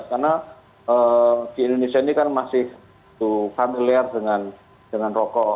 karena di indonesia ini kan masih familiar dengan dengan rokok